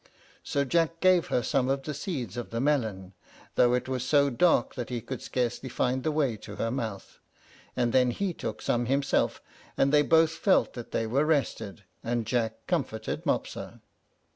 So Jack gave her some of the seeds of the melon, though it was so dark that he could scarcely find the way to her mouth, and then he took some himself, and they both felt that they were rested, and Jack comforted Mopsa.